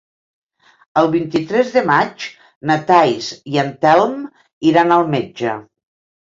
El vint-i-tres de maig na Thaís i en Telm iran al metge.